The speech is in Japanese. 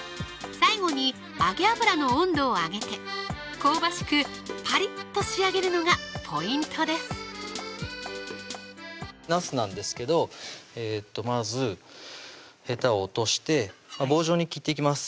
最後に揚げ油の温度を上げて香ばしくパリッと仕上げるのがポイントですなすなんですけどまずへたを落として棒状に切っていきます